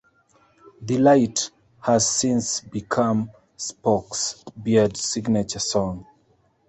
"The Light" has since become Spock's Beard's signature song.